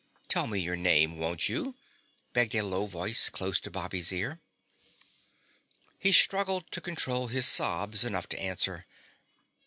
"Tell me your name, won't you?" begged a low voice close to Bobby's ear. He struggled to control his sobs enough to answer.